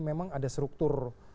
memang ada struktur